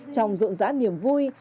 trong ruộng rã niềm vui